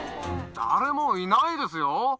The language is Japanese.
誰もいないですよ。